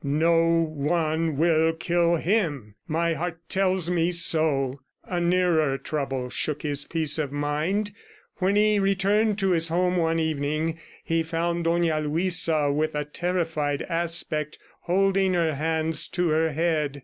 "No one will kill HIM! ... My heart tells me so." A nearer trouble shook his peace of mind. When he returned to his home one evening, he found Dona Luisa with a terrified aspect holding her hands to her head.